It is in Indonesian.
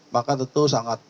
maka tentu sangat